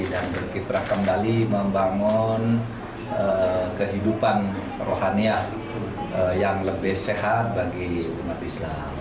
dan berkiprah kembali membangun kehidupan rohani yang lebih sehat bagi umat islam